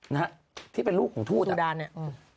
นะฮะที่เป็นลูกของทู่ดานะ